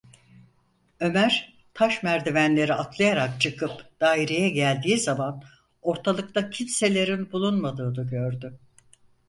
Ömer taş merdivenleri atlayarak çıkıp daireye geldiği zaman ortalıkta kimselerin bulunmadığını gördü.